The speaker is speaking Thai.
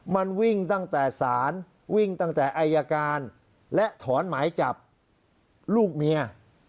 มันวิ่งตั้งแต่ศาลวิ่งตั้งแต่อายการและถอนหมายจับลูกเมีย